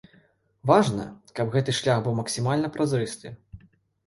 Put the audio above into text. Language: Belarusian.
Важна, каб гэты шлях быў максімальны празрысты.